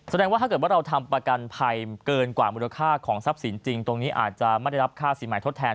ว่าถ้าเกิดว่าเราทำประกันภัยเกินกว่ามูลค่าของทรัพย์สินจริงตรงนี้อาจจะไม่ได้รับค่าสินใหม่ทดแทน